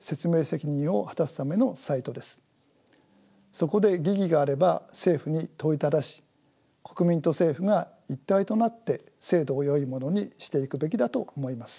そこで疑義があれば政府に問いただし国民と政府が一体となって制度をよいものにしていくべきだと思います。